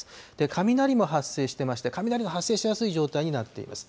雷も発生していまして、雷の発生しやすい状態になっています。